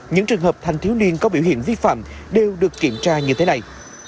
những trường hợp thanh thiếu niên có biểu hiện vi phạm đều được kiểm tra như thế này